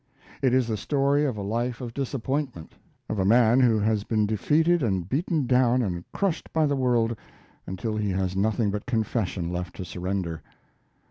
It is the story of a life of disappointment; of a man who has been defeated and beaten down and crushed by the world until he has nothing but confession left to surrender.